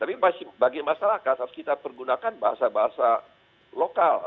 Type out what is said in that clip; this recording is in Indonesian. tapi bagi masyarakat harus kita pergunakan bahasa bahasa lokal